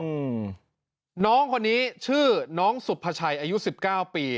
อืมน้องคนนี้ชื่อน้องสุภาชัยอายุสิบเก้าปี